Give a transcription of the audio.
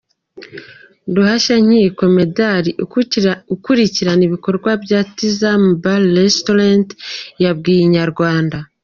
Ruhashyankiko Medard ukurikirana ibikorwa bya Tizama Bar Restaurant yabwiye Inyarwanda.